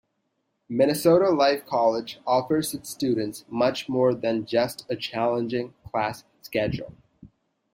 Minnesota Life College offers its students much more than just a challenging class schedule.